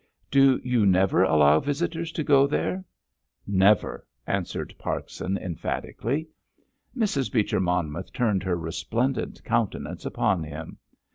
"Do you never allow visitors to go there?" "Never," answered Parkson emphatically. Mrs. Beecher Monmouth turned her resplendent countenance upon him.